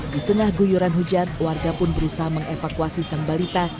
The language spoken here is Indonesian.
di tengah guyuran hujan warga pun berusaha mengevakuasi sang balita